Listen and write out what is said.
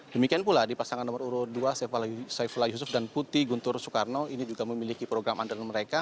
demikian pula di pasangan nomor urut dua saifullah yusuf dan putih guntur soekarno ini juga memiliki program andalan mereka